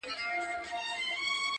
دې مړۍ ته د ګیدړ ګېډه جوړيږي،